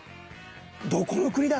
どこの国だ？